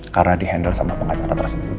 karena di handle sama pengacara tersebut